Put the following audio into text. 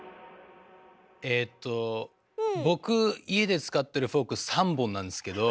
えと僕家で使ってるフォーク３本なんですけど。